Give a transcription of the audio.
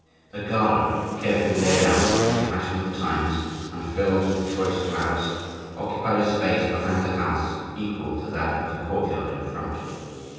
A garden, carefully laid out in the fashion of the times and filled with choice flowers, occupied a space behind the house equal to that of the courtyard in front.